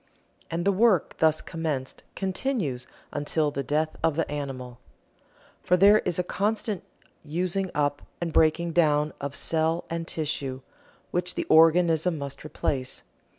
And the work thus commenced continues until the death of the animal. For there is a constant using up and breaking down of cell and tissue, which the organism must replace.